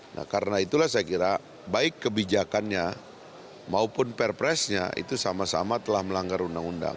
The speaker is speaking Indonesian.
nah karena itulah saya kira baik kebijakannya maupun perpresnya itu sama sama telah melanggar undang undang